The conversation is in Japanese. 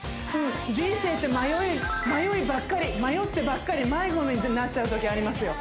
人生って迷いばっかり迷ってばっかり迷子になっちゃうときありますよ